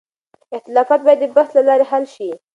اختلافات باید د بحث له لارې حل شي.